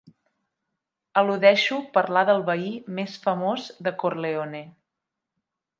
Eludeixo parlar del veí més famós de Corleone.